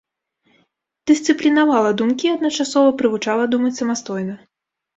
Дысцыплінавала думкі і адначасова прывучала думаць самастойна.